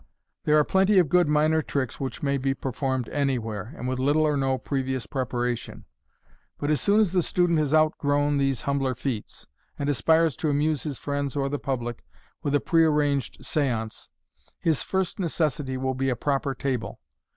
There are plenty of good minor tricks which may be performed anywhere, and with little or no previous preparation, but as soon as the student has outgrown these humbler feats, and aspires to amuse his friends or the public with a pre arranged seance, his first necessity will be a proper table.